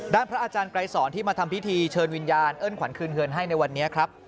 พระอาจารย์ไกรสอนที่มาทำพิธีเชิญวิญญาณเอิ้นขวัญคืนเงินให้ในวันนี้ครับ